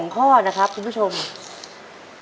๒ข้อนะครับคุณผู้ชมเพราะฉะนั้นสรุปกันก่อนว่า